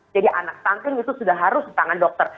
jadi anak stunting itu sudah harus di tangan dokter